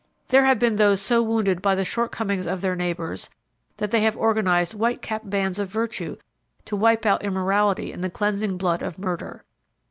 There have been those so wounded by the shortcomings of their neighbors that they have organized white capped bands of virtue to wipe out immorality in the cleansing blood of murder.